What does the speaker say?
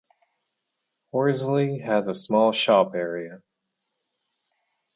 Horsley has a small shop area.